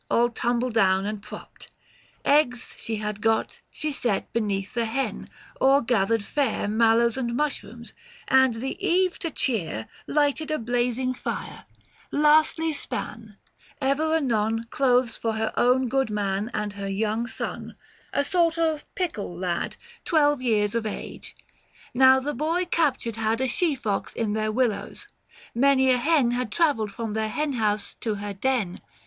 All tumble down and propped ; eggs she had got She set beneath the hen ; or gathered fare, Mallows and mushrooms ; and the eve to cheer, 800 Lighted a blazing fire — lastly span Ever anon, clothes for her own good man, And her young son — a sort of pickle lad, Twelve years of age. Now the boy captured had A she fox in their willows — many a hen 805 Had travelled from their hen house to her den.